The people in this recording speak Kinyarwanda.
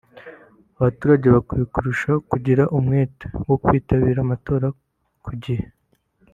Abaturage bakwiye kurushaho kugira umwete wo kwitabira amatora ku gihe